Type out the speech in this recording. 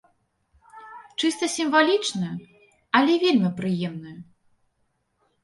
Чыста сімвалічную, але вельмі прыемную.